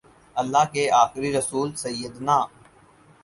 اللہ کے آخری رسول سیدنا